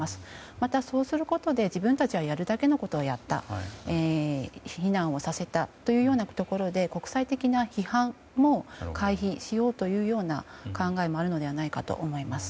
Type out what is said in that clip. またそうすることで自分たちはやるだけのことはやった避難をさせたというようなところで国際的な批判も回避しようというような考えもあるのではないかと思います。